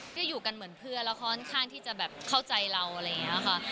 ก็อยู่กันเหมือนเพื่อนแล้วค่อนข้างที่จะแบบเข้าใจเราอะไรอย่างนี้ค่ะ